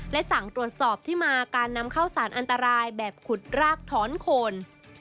และสั่งตรวจสอบที่มาการนำเข้าสารอันตรายแบบขุดรากถอนโคน